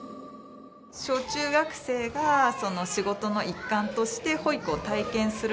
小中学生が、仕事の一環として保育を体験する。